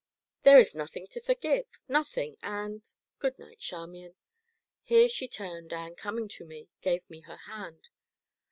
"There is nothing to forgive, nothing, and good night, Charmian." Here she turned, and, coming to me, gave me her hand.